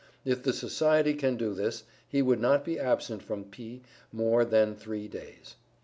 If the Society can do this, he would not be absent from P. more than three days.